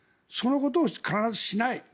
そのことを必ずしない。